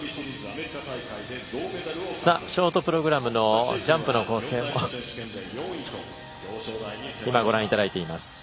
ショートプログラムのジャンプの構成を今ご覧いただいています。